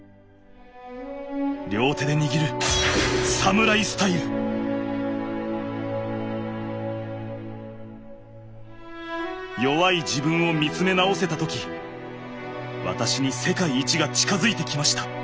両手で握る弱い自分を見つめ直せた時私に世界一が近づいてきました。